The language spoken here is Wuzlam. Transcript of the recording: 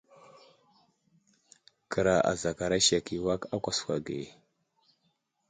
Kəra azakara sek i awak a kwaakwa ge.